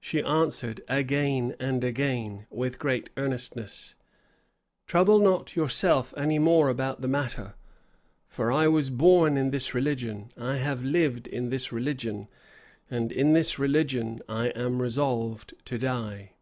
She answered, again and again, with great earnestness, "Trouble not yourself any more about the matter; for I was born in this religion, I have lived in this religion, and in this religion I am resolved to die."